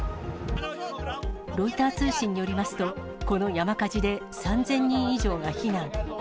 ロイター通信によりますと、この山火事で３０００人以上が避難。